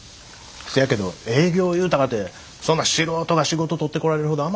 せやけど営業いうたかてそんな素人が仕事取ってこられるほど甘い世界ちゃいますで。